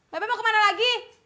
babet mau kemana lagi